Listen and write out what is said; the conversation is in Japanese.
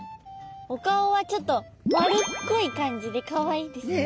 お顔はちょっと丸っこい感じでかわいいですね。